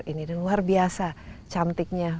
ini luar biasa cantiknya